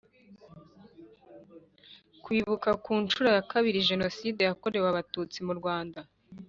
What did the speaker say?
Kwibuka ku nshuro ya kabiri Jenoside yakorewe Abatutsi mu Rwanda